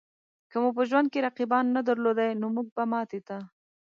که مو په ژوند کې رقیبان نه درلودای؛ نو مونږ به ماتې ته